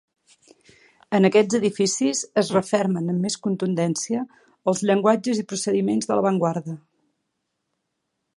En aquests edificis es refermen amb més contundència els llenguatges i procediments de l'avantguarda.